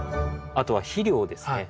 あとは肥料ですね。